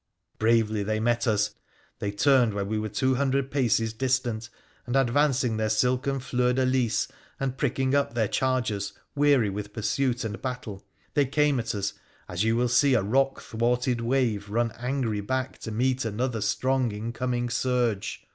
Bravely hey met us. They turned when we were two hundred mces distant, and advancing their silken fleur de lys, and pricking up their chargers, weary with pursuit and battle, they same at us as you will see a rock thwarted wave run angry 2c8 WONDERFUL ADVENTURES OP back to meet another strong incoming surge.